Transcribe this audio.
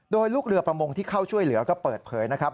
โดยลูกเรือประมงที่เข้าช่วยเหลือก็เปิดเผยนะครับ